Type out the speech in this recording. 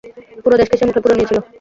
পুরো দেশকে সে মুঠোয় পুরে নিয়েছিল।